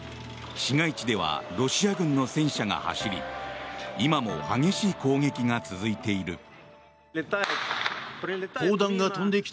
市街地ではロシア軍の戦車が走り今も激しい攻撃が続いている。